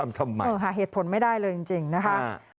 ทำทำไมหาเหตุผลไม่ได้เลยจริงจริงนะฮะ